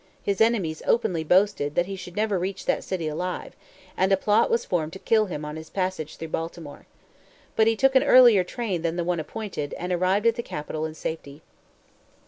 His enemies openly boasted that he should never reach that city alive; and a plot was formed to kill him on his passage through Baltimore. But he took an earlier train than the one appointed, and arrived at the capital in safety.